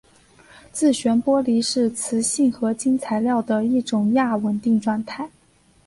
自旋玻璃是磁性合金材料的一种亚稳定的状态。